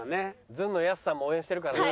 ずんのやすさんも応援してるからな。